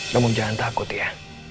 kamu jangan takut ya